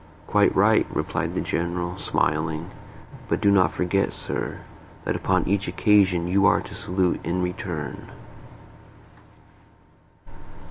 "Quite right," replied the General, smiling. "But do not forget, sir, that upon each occasion you are to salute in return."